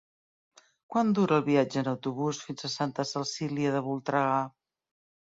Quant dura el viatge en autobús fins a Santa Cecília de Voltregà?